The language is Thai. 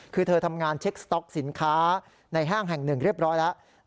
คือเธอทำงานเช็คสต๊อกสินค้าในห้างแห่งหนึ่งเรียบร้อยแล้ว